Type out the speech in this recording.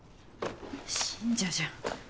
信者じゃん。